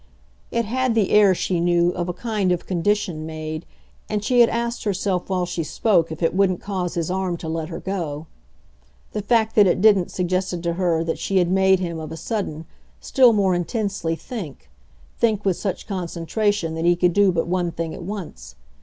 It had the air, she knew, of a kind of condition made, and she had asked herself while she spoke if it wouldn't cause his arm to let her go. The fact that it didn't suggested to her that she had made him, of a sudden, still more intensely think, think with such concentration that he could do but one thing at once.